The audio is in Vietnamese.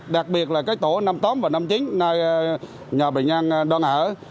đặc biệt là các tổ năm tóm và năm chính nơi nhà bệnh nhân đang ở